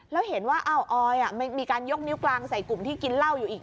แล้วเห็นว่าออยมีการยกนิ้วกลางใส่กลุ่มที่กินเหล้าอยู่อีก